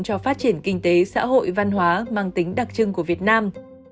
cho phát triển kinh tế xã hội văn hóa mang tính đặc trưng của việt nam